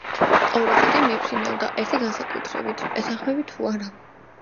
ორი ჩიტი მიფრინავდა ერთიი განსაკუთრებით ეთანხმები თუ არა